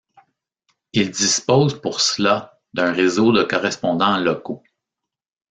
Il dispose pour cela d'un réseau de correspondants locaux.